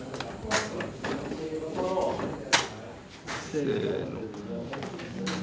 せの。